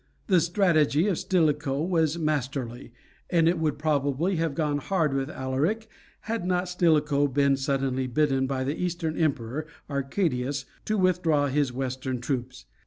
The strategy of Stilicho was masterly, and it would probably have gone hard with Alaric had not Stilicho been suddenly bidden by the Eastern Emperor, Arcadius, to withdraw his western troops.